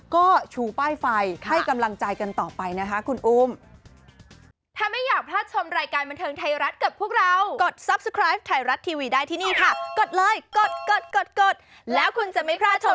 ก็ชูป้ายไฟให้กำลังใจกันต่อไปนะคะคุณอุ้ม